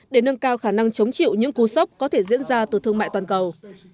để nâng cao khả năng chống chịu những cú sốc có thể diễn ra từ thương mại toàn cầu